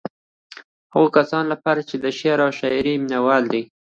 د هغو کسانو لپاره چې د شعر او شاعرۍ مينوال دي.